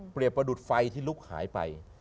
ประดุษไฟที่ลุกหายไป